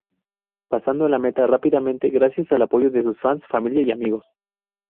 Pasando la meta rápidamente gracias al apoyo de sus fans, familia y amigos.